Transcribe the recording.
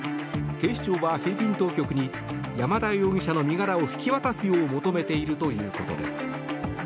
警視庁はフィリピン当局に山田容疑者の身柄を引き渡すよう求めているということです。